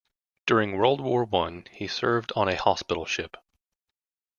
During World War One he served on a hospital ship.